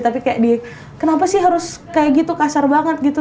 tapi kayak di kenapa sih harus kayak gitu kasar banget gitu